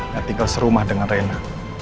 yang tinggal serumah dengan reyna